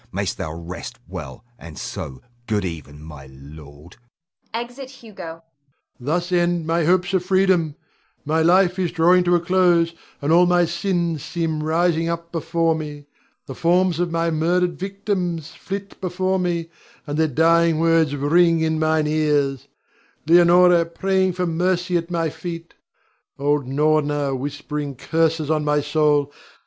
Mayst thou rest well, and so, good even, my lord. [Exit Hugo. Rod. Thus end my hopes of freedom. My life is drawing to a close, and all my sins seem rising up before me. The forms of my murdered victims flit before me, and their dying words ring in mine ears, Leonore praying for mercy at my feet; old Norna whispering curses on my soul.